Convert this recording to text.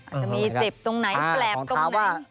อาจจะมีเจ็บตรงไหนแปลกตรงไหน